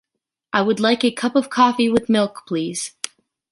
I would like a cup of coffee with milk please.